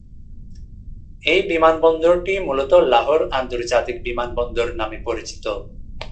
এই বিমানবন্দরটি মূলত লাহোর আন্তর্জাতিক বিমানবন্দর নামে পরিচিত।